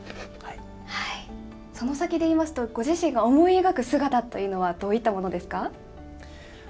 その先でいいますと、ご自身が思い描く姿というのはどういったものですか。